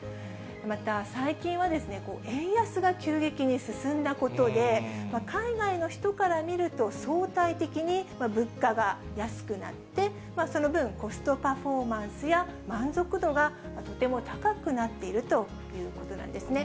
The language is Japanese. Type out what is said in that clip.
また最近は、円安が急激に進んだことで、海外の人から見ると、相対的に物価が安くなって、その分、コストパフォーマンスや満足度がとても高くなっているということなんですね。